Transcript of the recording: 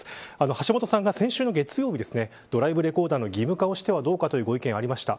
橋下さんが先週の月曜日ドライブレコーダーの義務化をしてはどうかというご意見がありました。